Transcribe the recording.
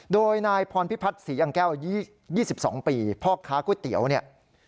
โดยนายพรพิพัฒน์ศรีอังแก้ว๒๒ปีพ่อค้าก๋วยเตี๋ยวเนี่ย